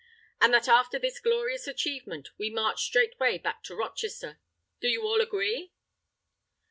And that after this glorious achievement we march straightway back to Rochester. Do you all agree?"